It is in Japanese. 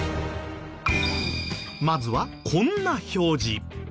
まずはこんな表示。